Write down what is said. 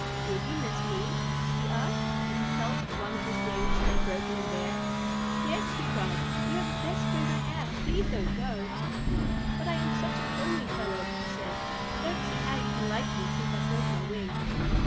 "Would you miss me?" he asked, as he felt of one of his wings, now broken and bare. "Yes," she cried. "You are the best friend I have. Please don't go." "But I am such a homely fellow," he said. "I don't see how you can like me since I broke my wing."